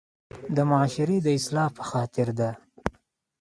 د معاشري د اصلاح پۀ خاطر ده